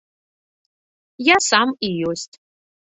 Я сам і ёсць.